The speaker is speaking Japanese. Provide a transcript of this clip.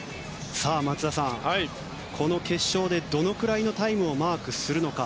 松田さん、この決勝でどのくらいのタイムをマークするのか。